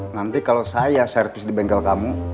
nanti kalau saya servis di bengkel kamu